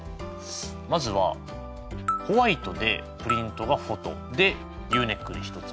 まずはホワイトでプリントがフォトでＵネックで１つ目。